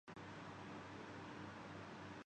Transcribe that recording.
ہم چلتے چلتے دوسآٹھ منہ آٹھ ہی باتیں